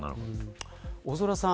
大空さん